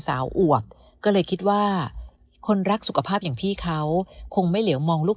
อวบก็เลยคิดว่าคนรักสุขภาพอย่างพี่เขาคงไม่เหลียวมองลูก